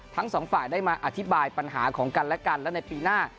ทั้งสองฝ่ายได้มาอธิบายปัญหาของกันและกันและในปีหน้า